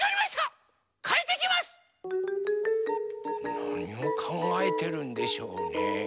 なにをかんがえてるんでしょうね？